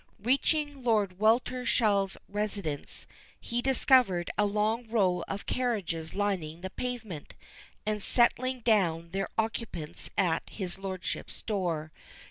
Reaching Lord Weltershall's residence, he discovered a long row of carriages lining the pavement, and setting down their occupants at his lordship's door.